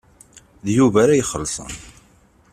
D Yuba ara ixellṣen.